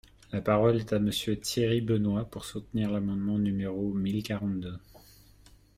La parole est à Monsieur Thierry Benoit, pour soutenir l’amendement numéro mille quarante-deux.